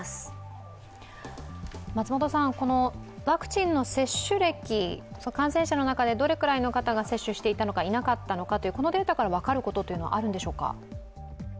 ワクチンの接種歴、感染者の中でどのくらいの方が接種していなかったのか、いなかったのかこのデータから分かることはあるのでしょうか？